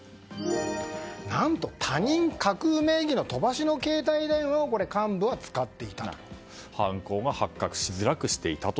何と、他人架空名義の飛ばしの携帯電話を犯行が発覚しづらくしていたと。